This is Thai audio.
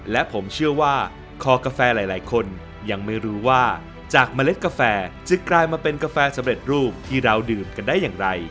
และผมเชื่อว่าคอกาแฟหลายคนยังไม่รู้ว่าจากเมล็ดกาแฟจะกลายมาเป็นกาแฟสำเร็จรูปที่เราดื่มกันได้อย่างไร